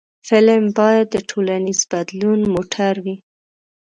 فلم باید د ټولنیز بدلون موټر وي